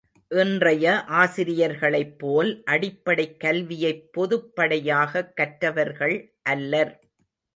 இன்றைய ஆசிரியர்களைப்போல் அடிப்படைக் கல்வியைப் பொதுப்படையாகக் கற்றவர்கள் அல்லர்.